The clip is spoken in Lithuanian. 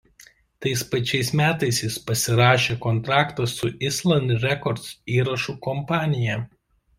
Tais pačiais metais jis pasirašė kontraktą su Island Records įrašų kompanija.